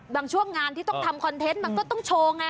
ช่วงงานที่ต้องทำคอนเทนต์มันก็ต้องโชว์ไง